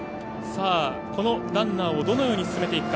このランナーをどのように進めていくか。